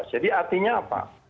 jadi artinya apa